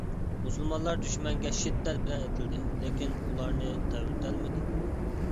مۇسۇلمانلار دۈشمەنگە شىددەت بىلەن ئېتىلدى، لېكىن ئۇلارنى تەۋرىتەلمىدى.